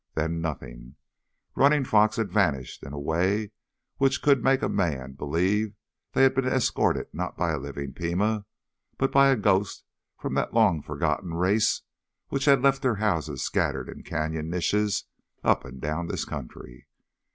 Then nothing ... Running Fox had vanished in a way which could make a man believe they had been escorted not by a living Pima, but by a ghost from that long forgotten race which had left their houses scattered in canyon niches up and down this country.